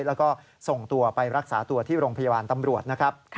แล้วก็ส่งตัวไปรักษาตัวที่โรงพยาบาลตำรวจนะครับ